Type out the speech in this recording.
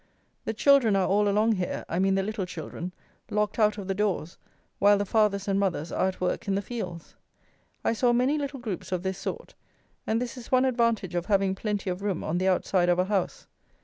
The children are all along here, I mean the little children, locked out of the doors, while the fathers and mothers are at work in the fields. I saw many little groups of this sort; and this is one advantage of having plenty of room on the outside of a house.